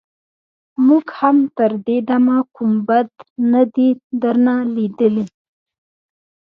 موږ هم تر دې دمه کوم بد نه دي درنه ليدلي.